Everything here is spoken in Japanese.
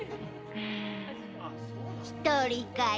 １人かい？